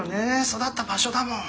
育った場所だもん。